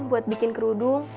buat bikin kerudung